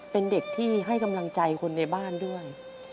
เป็นเด็กที่ให้กำลังใจคนในบ้านด้วย